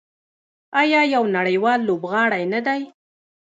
آیا یو نړیوال لوبغاړی نه دی؟